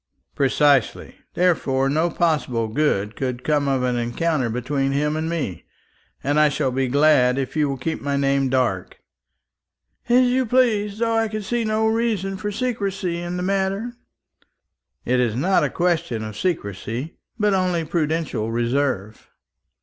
"Precisely. Therefore no possible good could come of an encounter between him and me, and I shall be glad if you will keep my name dark." "As you please, though I can see no reason for secrecy in the matter." "It is not a question of secrecy, but only of prudential reserve."